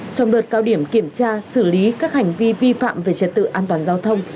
trong đợt cao điểm kiểm tra xử lý các hành vi vi phạm về trật tự an toàn giao thông